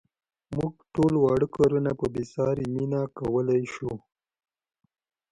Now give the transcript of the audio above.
موږ ټول واړه کارونه په بې ساري مینه کولای شو.